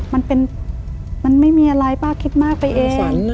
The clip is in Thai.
มันเป็นมันไม่มีอะไรป้าคิดมากไปเอง